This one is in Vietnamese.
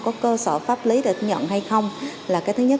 có cơ sở pháp lý để nhận hay không là cái thứ nhất